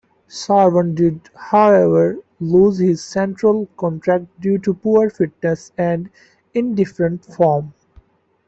Sarwan did however lose his central contract due to poor fitness and indifferent form.